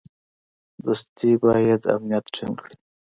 دوستي باید امنیت ټینګ کړي.